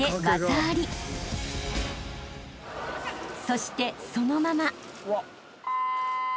［そしてそのまま］